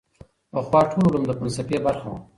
پخوا ټول علوم د فلسفې برخه وه.